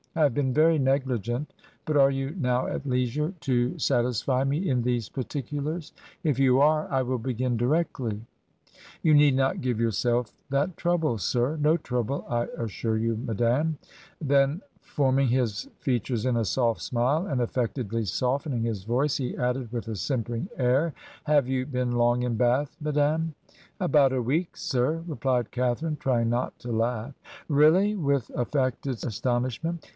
I have been very negUgent; but are you now at leisure to sat isfy me in these particulars? If you are, I will begin 59 Digitized by VjOOQ IC __ HEROINES OF FICTION directly.' 'You need not give yourself that trouble, sir/ ' No trouble, I assure you, madam.' Then, form ing his features in a soft smile, and afifectedly softening his voice, he added with a simpering air, 'Have you been long in Bath, madam?' 'About a week, sir,' re plied Catharine, trying not to laugh. 'Really!' with affected astonishment.